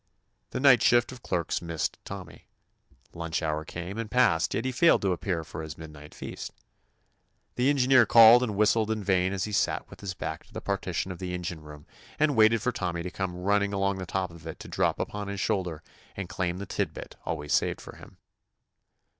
The night shift of clerks missed Tommy. Lunch hour came and 171 THE ADVENTURES OF passed, yet he failed to appear for his midnight feast. The engineer called and whistled in vain as he sat with his back to the partition of the engine room and waited for Tommy to come running along the top of it to drop upon his shoulder and claim the tid bit always saved for him.